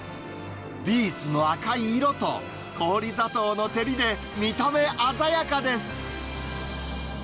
ビーツの赤い色と、氷砂糖の照りで、見た目鮮やかです。